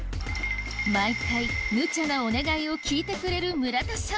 毎回むちゃなお願いを聞いてくれる村田さん